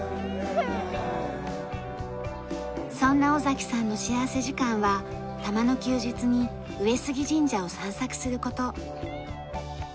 そんな尾さんの幸福時間はたまの休日に上杉神社を散策する事。